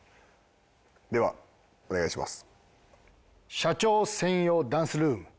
ではお願いします。